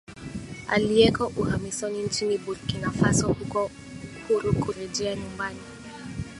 aliyeko uhamisoni nchini bukinafurso uko huru kurejea nyumbani